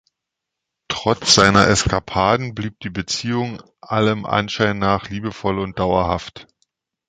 Trotz seiner Eskapaden blieb die Beziehung allem Anschein nach liebevoll und dauerhaft.